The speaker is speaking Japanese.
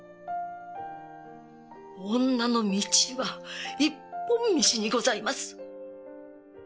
女の道は一本道にございます。